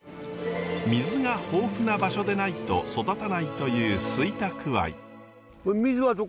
水が豊富な場所でないと育たないという吹田くわい。